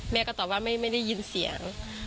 แม่ก็ตอบว่าไม่ได้ยินเสียง